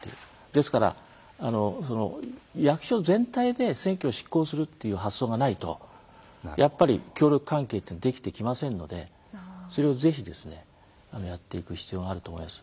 ですから、役所全体で選挙を執行するという発想がないとやっぱり協力関係というのはできてきませんのでそれをぜひやっていく必要があると思います。